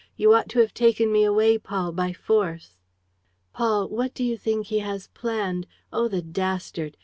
You ought to have taken me away, Paul, by force. ... "Paul, what do you think he has planned? Oh, the dastard!